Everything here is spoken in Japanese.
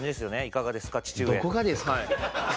「いかがですか父上」